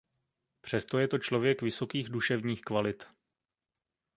Přesto je to člověk vysokých duševních kvalit.